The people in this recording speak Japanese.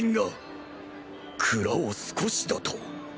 蔵を少しだと？